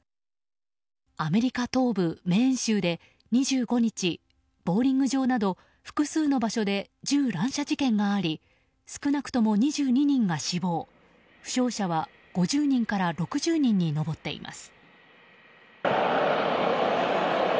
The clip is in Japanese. アメリカ東部メーン州で２５日、ボウリング場など複数の場所で銃乱射事件があり少なくとも２２人が死亡負傷者は５０人から６０人に上っています。